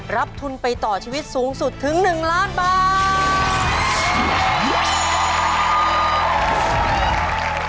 รับทุนไปต่อชีวิตสูงสุดถึง๑ล้านบาท